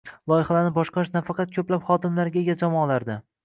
Loyihalarni boshqarish nafaqat ko’plab hodimlarga ega jamoalarda